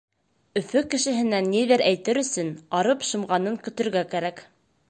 Өфө кешеһенә ниҙер әйтер өсөн арып шымғанын көтөргә кәрәк.